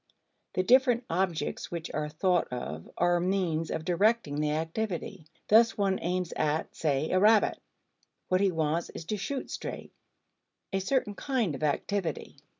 The different objects which are thought of are means of directing the activity. Thus one aims at, say, a rabbit; what he wants is to shoot straight: a certain kind of activity.